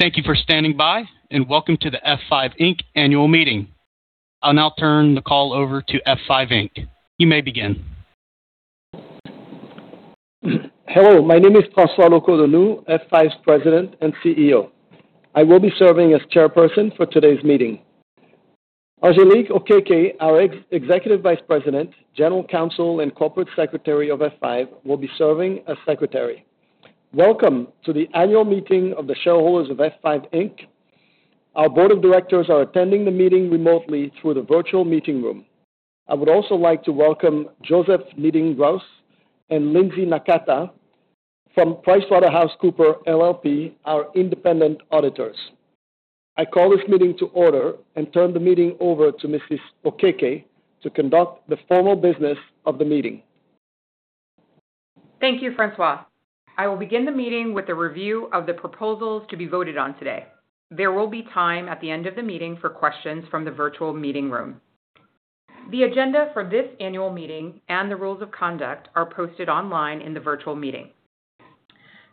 Thank you for standing by and welcome to the F5, Inc. annual meeting. I'll now turn the call over to F5, Inc. You may begin. Hello, my name is François Locoh-Donou, F5's President and CEO. I will be serving as Chairperson for today's meeting. Angelique Okeke, our Executive Vice President, General Counsel, and Corporate Secretary of F5, will be serving as Secretary. Welcome to the annual meeting of the shareholders of F5, Inc. Our board of directors are attending the meeting remotely through the virtual meeting room. I would also like to welcome Joseph Niedringhaus and Linsay Nakata from PricewaterhouseCoopers LLP, our independent auditors. I call this meeting to order and turn the meeting over to Mrs. Okeke to conduct the formal business of the meeting. Thank you, François. I will begin the meeting with a review of the proposals to be voted on today. There will be time at the end of the meeting for questions from the virtual meeting room. The agenda for this annual meeting and the rules of conduct are posted online in the virtual meeting.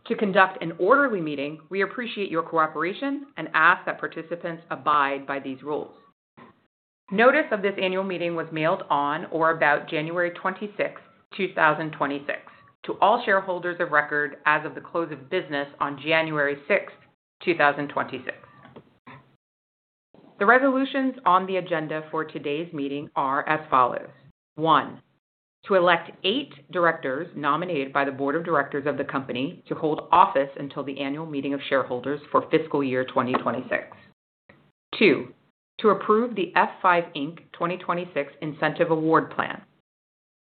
To conduct an orderly meeting, we appreciate your cooperation and ask that participants abide by these rules. Notice of this annual meeting was mailed on or about January 26th, 2026, to all shareholders of record as of the close of business on January 6th, 2026. The resolutions on the agenda for today's meeting are as follows. 1, to elect 8 directors nominated by the board of directors of the company to hold office until the annual meeting of shareholders for fiscal year 2026. 2, to approve the F5, Inc. 2026 Incentive Award Plan.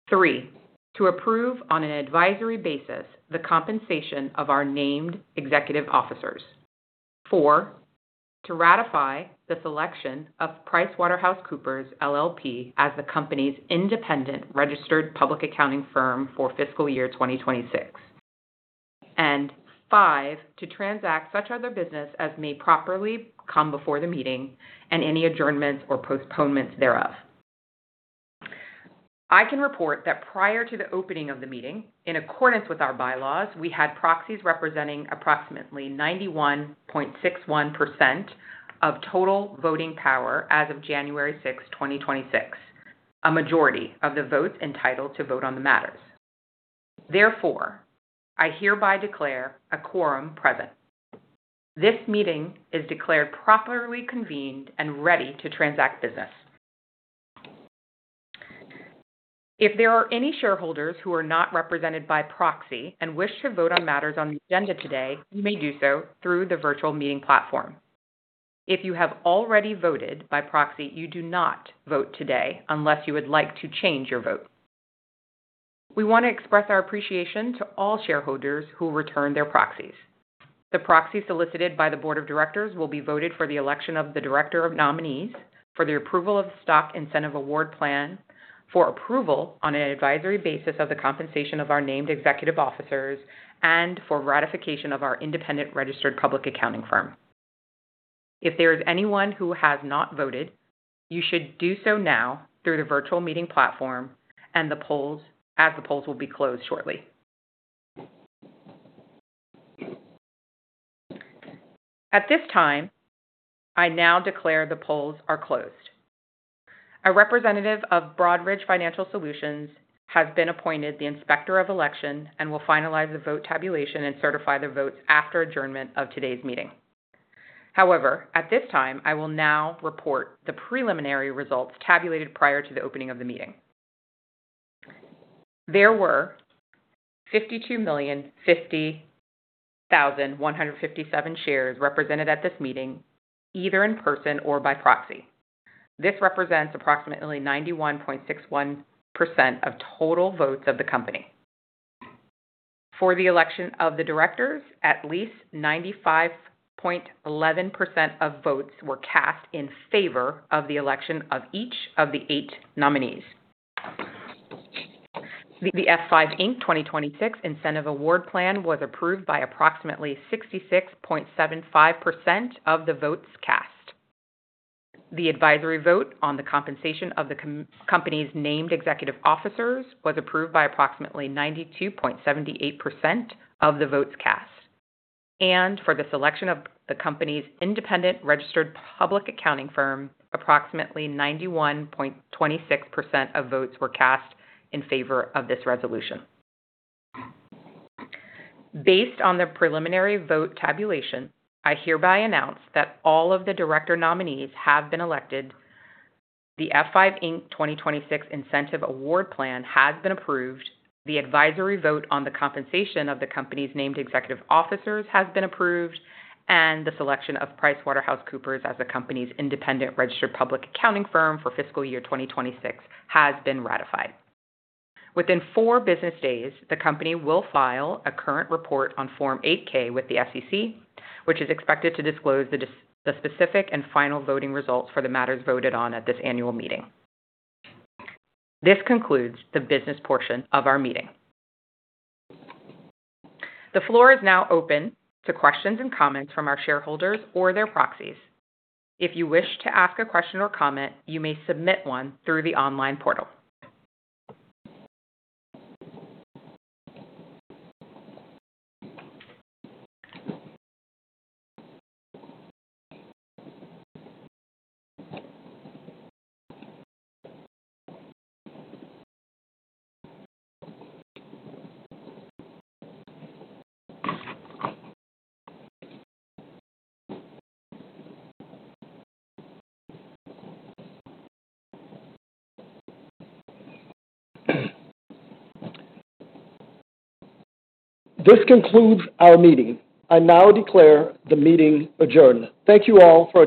3, to approve, on an advisory basis, the compensation of our named executive officers. 4, to ratify the selection of PricewaterhouseCoopers LLP as the company's independent registered public accounting firm for fiscal year 2026. 5, to transact such other business as may properly come before the meeting and any adjournments or postponements thereof. I can report that prior to the opening of the meeting, in accordance with our bylaws, we had proxies representing approximately 91.61% of total voting power as of January 6, 2026, a majority of the votes entitled to vote on the matters. Therefore, I hereby declare a quorum present. This meeting is declared properly convened and ready to transact business. If there are any shareholders who are not represented by proxy and wish to vote on matters on the agenda today, you may do so through the virtual meeting platform. If you have already voted by proxy, you do not vote today unless you would like to change your vote. We wanna express our appreciation to all shareholders who returned their proxies. The proxy solicited by the board of directors will be voted for the election of directors, the nominees for the approval of Stock Incentive Award Plan, for approval on an advisory basis of the compensation of our named executive officers, and for ratification of our independent registered public accounting firm. If there is anyone who has not voted, you should do so now through the virtual meeting platform and the polls, as the polls will be closed shortly. At this time, I now declare the polls are closed. A representative of Broadridge Financial Solutions has been appointed the Inspector of Election and will finalize the vote tabulation and certify the votes after adjournment of today's meeting. However, at this time, I will now report the preliminary results tabulated prior to the opening of the meeting. There were 52,050,157 shares represented at this meeting, either in person or by proxy. This represents approximately 91.61% of total votes of the company. For the election of the directors, at least 95.11% of votes were cast in favor of the election of each of the 8 nominees. The F5, Inc. 2026 Incentive Award Plan was approved by approximately 66.75% of the votes cast. The advisory vote on the compensation of the company's named executive officers was approved by approximately 92.78% of the votes cast. For the selection of the company's independent registered public accounting firm, approximately 91.26% of votes were cast in favor of this resolution. Based on the preliminary vote tabulation, I hereby announce that all of the director nominees have been elected, the F5, Inc. 2026 Incentive Award Plan has been approved, the advisory vote on the compensation of the company's named executive officers has been approved, and the selection of PricewaterhouseCoopers as the company's independent registered public accounting firm for fiscal year 2026 has been ratified. Within 4 business days, the company will file a current report on Form 8-K with the SEC, which is expected to disclose the specific and final voting results for the matters voted on at this annual meeting. This concludes the business portion of our meeting. The floor is now open to questions and comments from our shareholders or their proxies. If you wish to ask a question or comment, you may submit 1 through the online portal. This concludes our meeting. I now declare the meeting adjourned. Thank you all for attending.